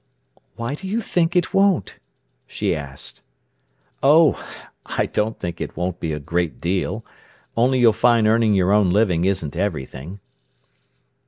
"Why do you think it won't?" she asked. "Oh, I don't think it won't be a great deal. Only you'll find earning your own living isn't everything."